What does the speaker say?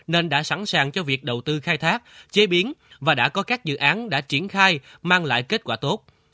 nên đã sẵn sàng cho việc đầu tư khai thác chế biến và đã có các dự án đã triển khai mang lại kết quả tốt